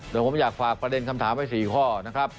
โดยผมอยากฝากประเด็นคำถามไว้๔ข้อนะครับ